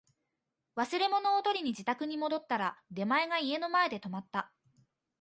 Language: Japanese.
忘れ物を取りに自宅に戻ったら、出前が家の前で止まった